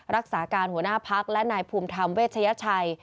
รักษาการหัวหน้าพักและนายภูมิธรรมเวชยชัย